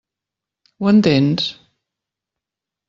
Ho entens?